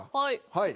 はい。